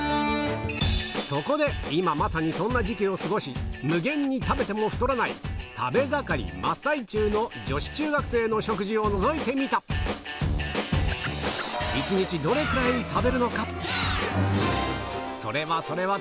そこで今まさにそんな時期を過ごし無限に食べても太らない食べ盛り真っ最中の女子中学生の食事をのぞいてみたそれはそれは